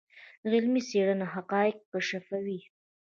علمي څېړنه حقایق کشفوي.